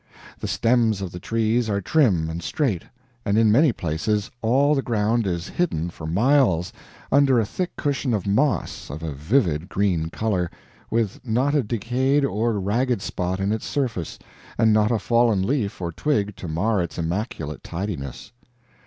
The stems of the trees are trim and straight, and in many places all the ground is hidden for miles under a thick cushion of moss of a vivid green color, with not a decayed or ragged spot in its surface, and not a fallen leaf or twig to mar its immaculate tidiness.